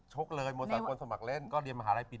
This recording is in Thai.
ชกเลยโมสารคนสมัครเล่นก็เรียนมหาลัยปี๑๒